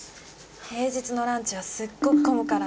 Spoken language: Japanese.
平日のランチはすっごく混むから。